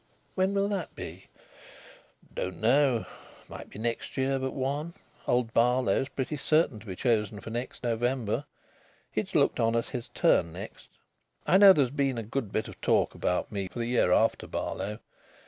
"When will that be?" "Don't know. Might be next year but one. Old Barlow's pretty certain to be chosen for next November. It's looked on as his turn next. I know there's been a good bit of talk about me for the year after Barlow.